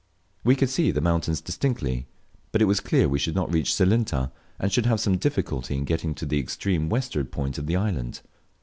We could see the mountains distinctly, but it was clear we should not reach Silinta, and should have some difficulty in getting to the extreme westward point of the island.